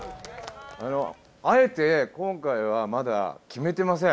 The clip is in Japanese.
あのあえて今回はまだ決めてません。